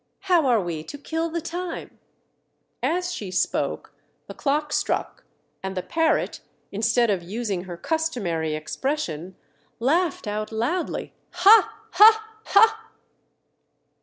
How are we to kill the time ?" As she spoke the clock struck, and the parrot, instead of using her customary ex pression, laughed out loudly, " Ha! ha! ha!"